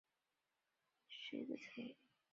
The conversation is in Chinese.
尤以法国敦煌学着称。